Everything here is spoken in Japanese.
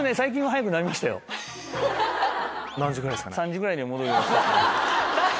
何時ぐらいですかね？